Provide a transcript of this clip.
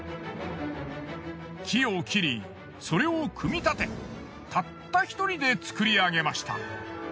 木を切りそれを組み立てたった一人で作り上げました。